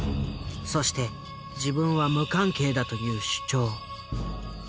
そして自分は無関係だという主張。